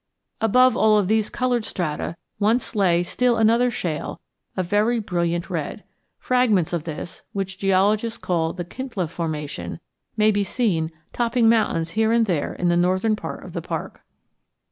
Above all of these colored strata once lay still another shale of very brilliant red. Fragments of this, which geologists call the Kintla formation, may be seen topping mountains here and there in the northern part of the park.